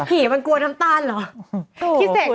ผีมันกลัวน้ำตาลเหรอ